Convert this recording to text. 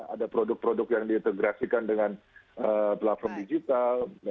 ada produk produk yang diintegrasikan dengan platform digital